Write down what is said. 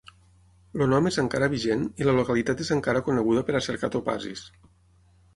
El nom és encara vigent, i la localitat és encara coneguda per a cercar topazis.